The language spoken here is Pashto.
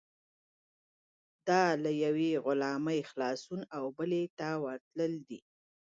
دا له یوې غلامۍ خلاصون او بلې ته ورتلل دي.